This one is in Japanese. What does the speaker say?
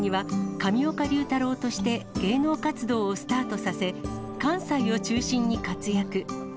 １９６８年には上岡龍太郎として芸能活動をスタートさせ、関西を中心に活躍。